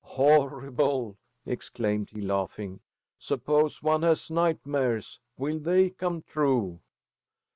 "Horrible!" exclaimed he, laughing. "Suppose one has nightmares. Will they come true?"